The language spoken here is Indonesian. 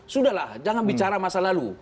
sudahlah jangan bicara masa lalu